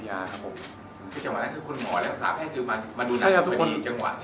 พี่จังหวัดนั้นคือคุณหมอและศาสตร์แพทย์คือมาดูหนังพอดี